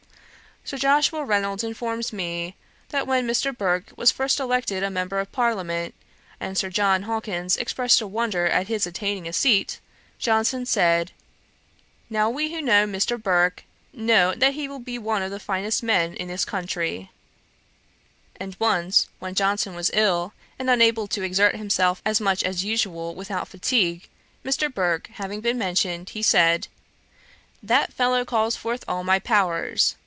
Sir Joshua Reynolds informs me, that when Mr. Burke was first elected a member of Parliament, and Sir John Hawkins expressed a wonder at his attaining a seat, Johnson said, 'Now we who know Mr. Burke, know, that he will be one of the first men in this country.' And once, when Johnson was ill, and unable to exert himself as much as usual without fatigue, Mr. Burke having been mentioned, he said, 'That fellow calls forth all my powers.